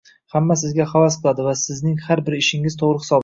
hamma sizga havas qiladi va sizning har bir ishingiz to’g’ri hisoblanadi